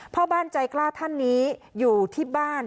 พ่อบ้านใจกล้าท่านนี้อยู่ที่บ้าน